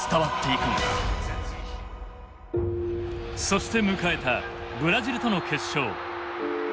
そして迎えたブラジルとの決勝。